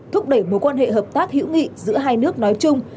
thúc đẩy mối quan hệ hợp tác hữu nghị giữa hai nước nói chung